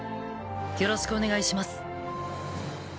よろしくお願いします。